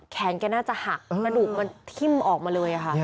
แกน่าจะหักกระดูกมันทิ่มออกมาเลยค่ะ